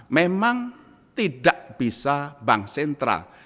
memang tidak bisa bank sentral